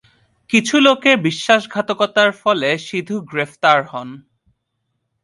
কিছু লোকের বিশ্বাসঘাতকতার ফলে সিধু গ্রেপ্তার হন।